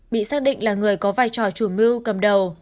bị xác định là người có vai trò chủ mưu cầm đầu